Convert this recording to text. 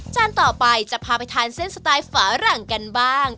ต่อไปจะพาไปทานเส้นสไตล์ฝาหลังกันบ้าง